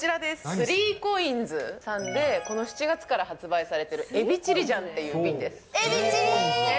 ３コインズさんでこの７月から発売されているエビチリジャンってエビチリ！